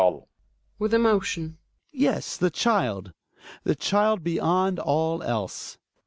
Hjalmar (with emotion). Yes, the child! The child beyond all else.